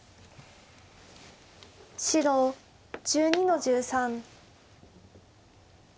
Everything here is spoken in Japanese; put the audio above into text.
白１２の十三。